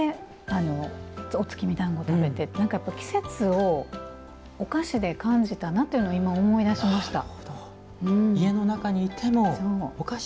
お月見だんご食べてって季節をお菓子で感じたなっていうのを今、思い出しました。